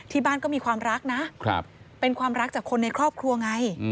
บ้านก็มีความรักนะเป็นความรักจากคนในครอบครัวไง